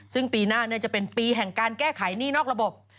ซึ่งปีหน้าจะเป็นปีแห่งการแก้ไขหนี้นอกระบบ